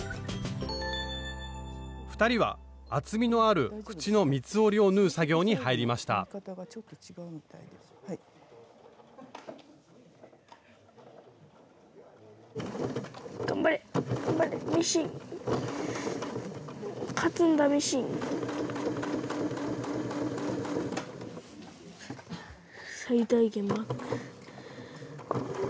２人は厚みのある口の三つ折りを縫う作業に入りました最大限マックス。